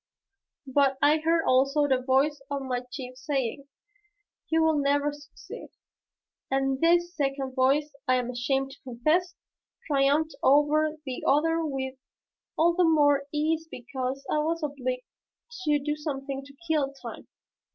But I heard also the voice of my chief saying, "You will never succeed." And this second voice, I am ashamed to confess, triumphed over the other with all the more ease because I was obliged to do something to kill time.